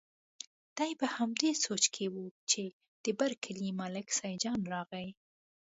دی په همدې سوچ کې و چې د بر کلي ملک سیدجان راغی.